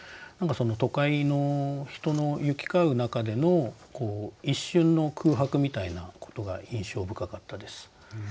都会の人の行き交う中での一瞬の空白みたいなことが印象深かったです。